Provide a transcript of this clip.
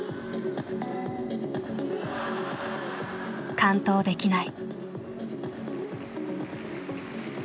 完登できない。